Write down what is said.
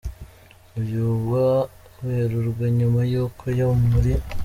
uyu wa Werurwe nyuma yuko yo muri.